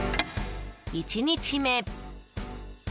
１日目。